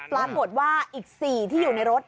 ปรากฏว่าอีก๔ที่อยู่ในรถ